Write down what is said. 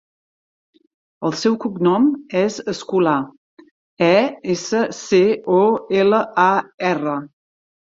El seu cognom és Escolar: e, essa, ce, o, ela, a, erra.